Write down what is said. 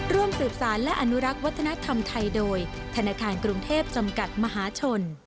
ร่วมสืบสารและอนุรักษ์วัฒนธรรมไทยโดยธนาคารกรุงเทพจำกัดมหาชน